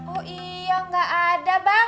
oh iya gak ada bang